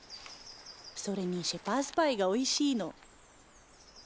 それにシェパーズパイがおいしいの。